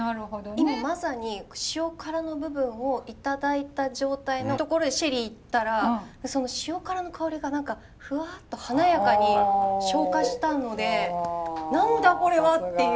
今まさに塩辛の部分を頂いた状態のところでシェリーいったらその塩辛の香りが何かフワッと華やかに昇華したので何だこれは？っていう。